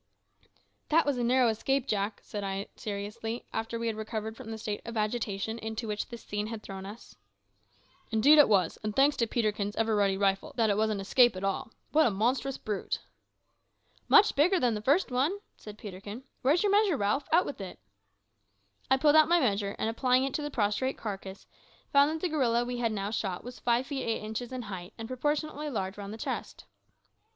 "That was a narrow escape, Jack," said I seriously, after we had recovered from the state of agitation into which this scene had thrown us. "Indeed it was; and thanks to Peterkin's ever ready rifle that it was an escape at all. What a monstrous brute!" "Much bigger than the first one," said Peterkin. "Where is your measure, Ralph? Out with it." I pulled out my measure, and applying it to the prostrate carcass, found that the gorilla we had now shot was five feet eight inches in height, and proportionately large round the chest.